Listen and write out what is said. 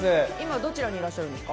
どちらにいらっしゃるんですか。